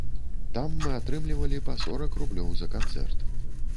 Там мы атрымлівалі па сорак рублёў за канцэрт.